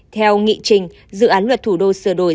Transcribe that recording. theo nghị trình dự án luật thủ đô sửa đổi